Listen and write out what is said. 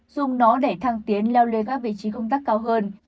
dùng nó để thăng tiến leo lên các vị trí công tác cao hơn